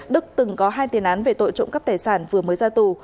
đức từng có hai tiền án về tội trộm cắp tài sản vừa mới ra tù